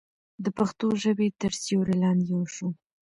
د پښتو ژبې تر سیوري لاندې یو شو.